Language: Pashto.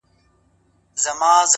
نن د هر گل زړگى په وينو رنـــــگ دى؛